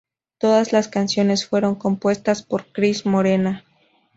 Todas las canciones fueron compuestas por Cris Morena.